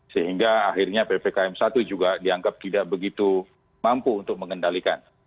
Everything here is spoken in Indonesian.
sehingga akhirnya ppkm satu juga dianggap tidak begitu mampu untuk mengendalikan